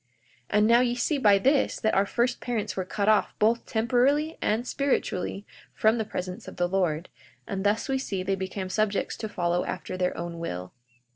42:7 And now, ye see by this that our first parents were cut off both temporally and spiritually from the presence of the Lord; and thus we see they became subjects to follow after their own will.